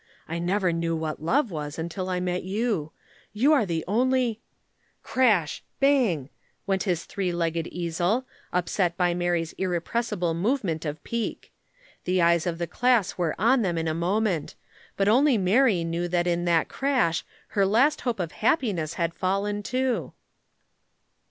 I never knew what love was till I met you. You are the only " Crash! bang! went his three legged easel, upset by Mary's irrepressible movement of pique. The eyes of the class were on them in a moment, but only Mary knew that in that crash her last hope of happiness had fallen, too.